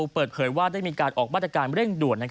เปิดเผยว่าได้มีการออกมาตรการเร่งด่วน